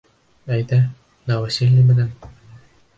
Әйҙә, новоселье менән!